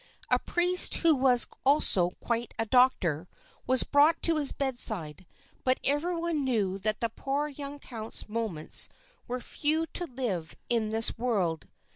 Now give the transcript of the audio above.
A priest, who was also quite a doctor, was brought to his bedside, but everyone knew that the poor young count's moments were few to live in this world.